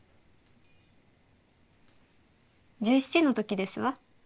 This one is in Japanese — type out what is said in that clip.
１７の時ですわ。